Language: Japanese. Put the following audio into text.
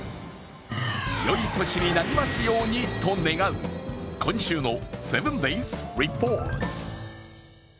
よい年になりますようにと願う今週の「７ｄａｙｓリポート」。